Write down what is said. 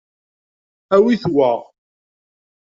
Awit wa.